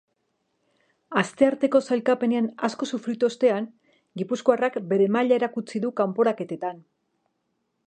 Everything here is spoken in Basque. Astearteko sailkapenean asko sufritu ostean, gipuzkoarrak bere maila erakutsi du kanporaketetan.